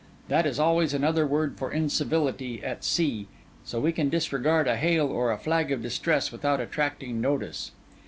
That is always another word for incivility at sea; so we can disregard a hail or a flag of distress, without attracting notice.